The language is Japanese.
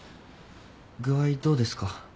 具合どうですか？